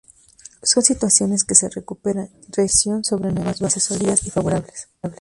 Son situaciones que se recuperan, regeneración sobre nuevas bases sólidas y favorables.